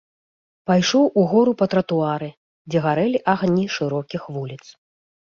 Пайшоў угору па тратуары, дзе гарэлі агні шырокіх вуліц.